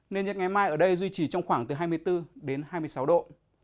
nên nhiệt ngày mai ở đây duy trì trong khoảng từ hai mươi bốn đến hai mươi sáu độ